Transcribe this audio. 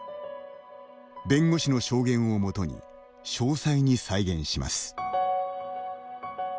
弁護士の証言をもとに詳細に再現します。